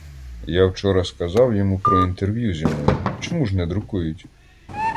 Я вчора сказав йому про інтерв'ю зі мною: чому ж не друкують?